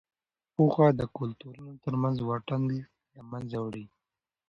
پوهه د کلتورونو ترمنځ واټن له منځه وړي.